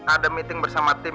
ada meeting bersama tim